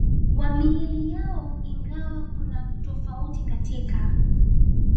wa miili yao ingawa kuna tofauti katika